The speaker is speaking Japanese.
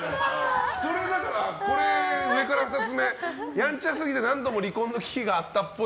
それは、上から２個目ヤンチャすぎて何度も離婚の危機があったっぽい。